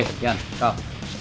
eh jan kau